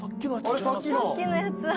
さっきのやつだ。